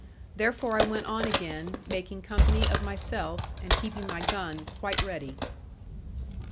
Therefore I went on again, making company of myself, and keeping my gun quite ready.